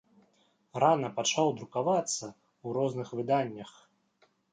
Рана пачаў друкавацца ў розных выданнях.